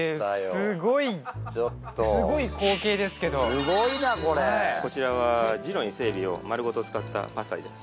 ちょっとちょっとすごい光景ですけどすごいなこれこちらは地の伊勢海老を丸ごと使ったパスタです